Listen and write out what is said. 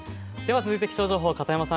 続いて気象情報、片山さん